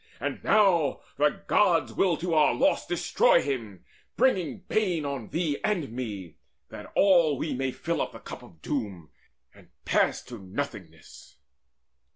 And now the Gods Will to our loss destroy him, bringing bane On thee and me, that all we may fill up The cup of doom, and pass to nothingness."